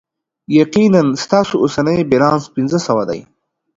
یقینا، ستاسو اوسنی بیلانس پنځه سوه دی.